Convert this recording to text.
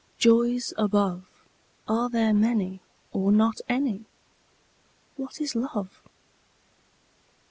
Joys above, Are there many, or not any? What is Love?